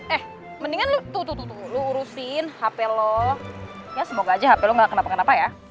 eh mendingan lo tuh tuh tuh lo urusin hp lo ya semoga aja hp lo gak kenapa kenapa ya